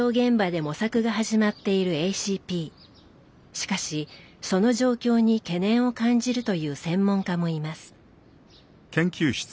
しかしその状況に懸念を感じるという専門家もいます。